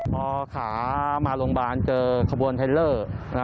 พอขามาโรงพยาบาลเจอขบวนเทลเลอร์